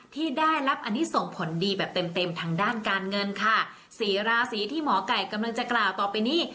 ที่ได้รับอันนี้ส่งผลดีแบบเต็มเต็มทางด้านการเงินค่ะสี่ราศีที่หมอไก่กำลังจะกล่าวต่อไปนี้